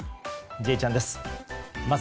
「Ｊチャン」です。